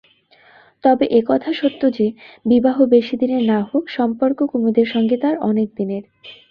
তবে, একথা সত্য যে বিবাহ বেশিদিনের না হোক সম্পর্ক কুমুদের সঙ্গে তার অনেকদিনের।